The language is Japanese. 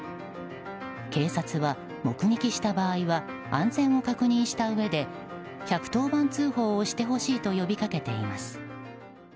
警察は目撃した場合は安全を確認したうえで１１０番通報をしてほしいと呼びかけています。